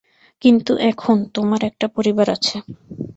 কিন্তু এখন, তোমার একটা পরিবার আছে।